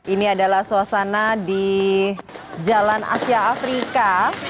ini adalah suasana di jalan asia afrika